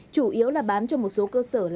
chủ yếu là bán cho một số cơ sở